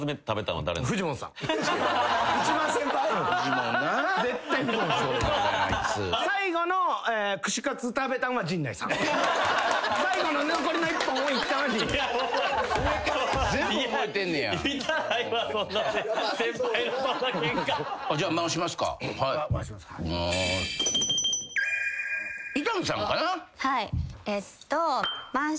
はい。